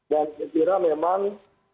dan setelah memang